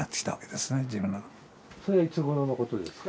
それはいつごろのことですか？